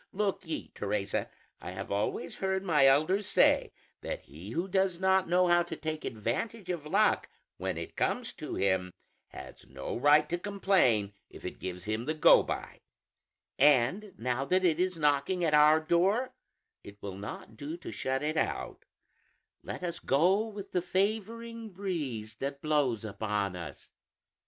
Look ye, Teresa, I have always heard my elders say that he who does not know how to take advantage of luck when it comes to him, has no right to complain if it gives him the go by; and now that it is knocking at our door, it will not do to shut it out; let us go with the favoring breeze that blows upon us."